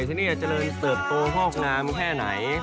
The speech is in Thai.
ที่นี่จะเจริญเสิร์ฟโตค่อนข้างน้ำแค่ไหน